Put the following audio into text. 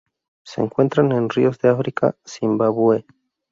Se encuentran en ríos de África: Zimbabue.